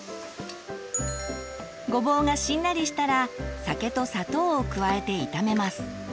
ごぼうがしんなりしたら酒と砂糖を加えて炒めます。